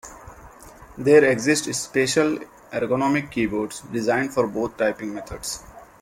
There exist special ergonomic keyboards designed for both typing methods.